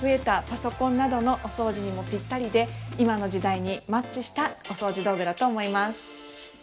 パソコンなどのお掃除などにもぴったりで今の時代にマッチしたお掃除道具だと思います。